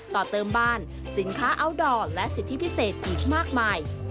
ต่อเติมบ้านสินค้าอัลดอร์และสิทธิพิเศษอีกมากมาย